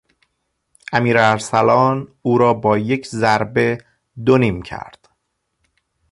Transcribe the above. امیر ارسلان او را با یک ضربه دو نیم کرد.